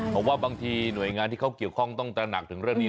ผมว่าบางทีหน่วยงานที่เขาเกี่ยวข้องต้องตระหนักถึงเรื่องนี้